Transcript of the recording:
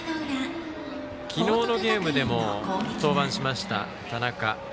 昨日のゲームでも、登板しました田中。